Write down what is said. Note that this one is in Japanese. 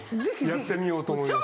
やってみようと思います。